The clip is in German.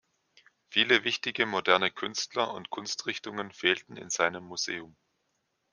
Viele wichtige moderne Künstler und Kunstrichtungen fehlten in seinem Museum.